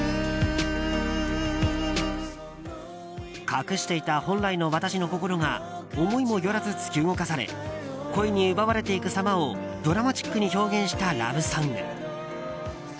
隠していた本来の「わたし」の心が思いもよらず突き動かされ恋に奪われていく様をドラマチックに表現したラブソング。